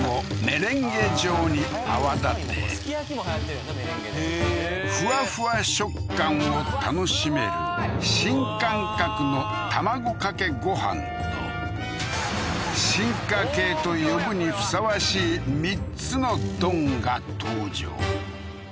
メレンゲでふわふわ食感を楽しめる新感覚の卵かけご飯と進化形と呼ぶにふさわしい３つの丼が登場